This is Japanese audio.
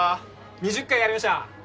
２０回やりました